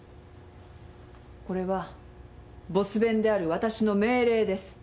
これはボス弁であるわたしの命令です。